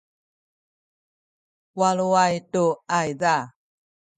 waluay tu ayza